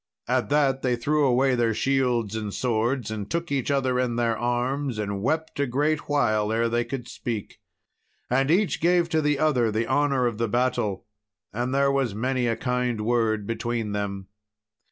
At that they threw away their shields and swords, and took each other in their arms and wept a great while ere they could speak. And each gave to the other the honour of the battle, and there was many a kind word between them.